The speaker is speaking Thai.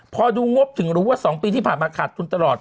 พอดูงบถึงรู้ว่า๒ปีที่ผ่านมาขาดทุนตลอด